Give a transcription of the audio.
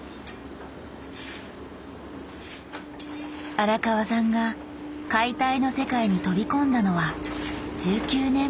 荒川さんが解体の世界に飛び込んだのは１９年前。